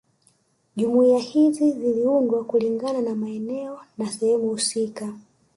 Jumuiya hizi ziliundwa kulingana na maeneo ya sehemu husika